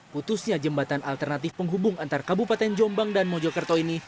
putusnya jembatan alternatif penghubung antar kabupaten jombang dan mojokerto ini